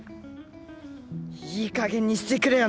いいかげんにしてくれよ！